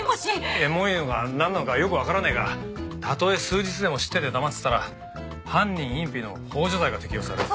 えもいのがなんなのかよくわからねえがたとえ数日でも知ってて黙ってたら犯人隠避の幇助罪が適用されるぞ。